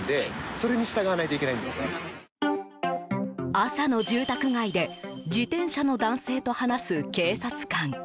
朝の住宅街で自転車の男性と話す警察官。